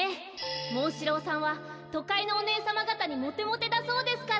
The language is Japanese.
モンシローさんはとかいのおねえさまがたにモテモテだそうですから。